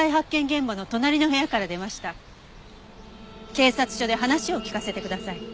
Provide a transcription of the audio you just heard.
警察署で話を聞かせてください。